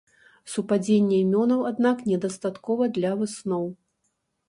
Супадзення імёнаў аднак недастаткова для высноў.